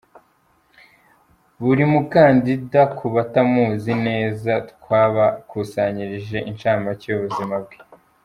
Buri mukandida ku batamuzi neza twabakusanyirije inshamake y’ubuzima bwe.